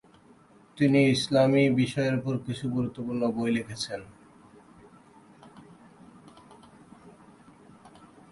তিনি ইসলামী বিষয়ের উপর কিছু গুরুত্বপূর্ণ বই লিখেছেন।